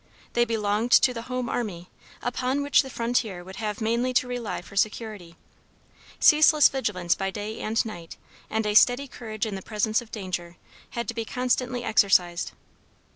They belonged to the home army, upon which the frontier would have mainly to rely for security. Ceaseless vigilance by night and day, and a steady courage in the presence of danger, had to be constantly exercised.